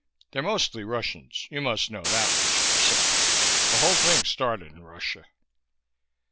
"They're mostly Russians you must know that much for yourself. The whole thing started in Russia."